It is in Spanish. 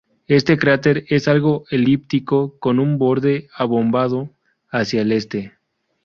Este cráter es algo elíptico, con un borde abombado hacia el este.